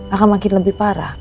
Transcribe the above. akan makin lebih parah